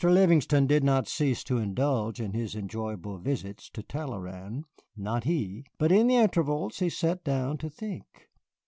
Livingston did not cease to indulge in his enjoyable visits to Talleyrand not he. But in the intervals he sat down to think.